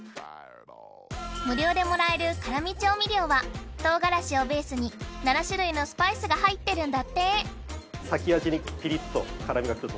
無料でもらえる辛味調味料は唐辛子をベースに７種類のスパイスが入ってるんだって先味にピリっと辛みがくると思います。